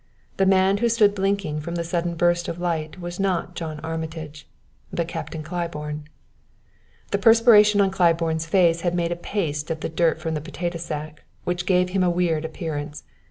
The man who stood blinking from the sudden burst of light was not John Armitage, but Captain Claiborne. The perspiration on Claiborne's face had made a paste of the dirt from the potato sack, which gave him a weird appearance.